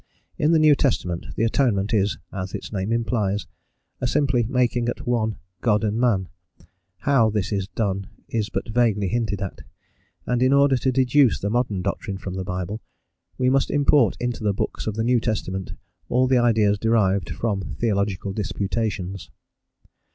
In the New Testament the Atonement is, as its name implies, a simply making at one God and man: how this is done is but vaguely hinted at, and in order to deduce the modern doctrine from the Bible, we must import into the books of the New Testament all the ideas derived from theological disputations.